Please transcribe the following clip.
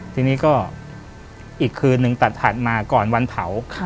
ทีนี้ก็อีกคืนนึงตัดถัดมาก่อนวันเผา